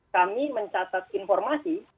kami mencatat informasi